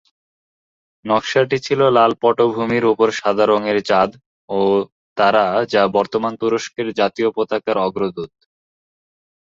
নকশাটি ছিল লাল পটভূমির উপর সাদা রঙের চাঁদ ও তারা যা বর্তমান তুরস্কের জাতীয় পতাকার অগ্রদূত।